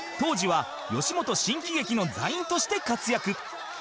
当時は吉本新喜劇の座員として活躍